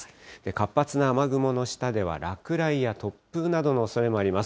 活発な雨雲の下では、落雷や突風などのおそれもあります。